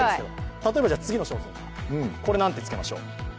例えば、次の商品何てつけましょう？